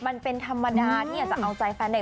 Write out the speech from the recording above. มันเป็นธรรมดาที่อยากจะเอาใจแฟนเด็ก